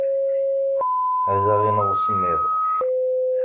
Ad aɣ-ineɣ usemmiḍ.